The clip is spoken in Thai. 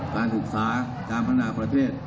การศึกษาการพัฒนาประเทศ